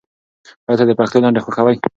آیا ته د پښتو لنډۍ خوښوې؟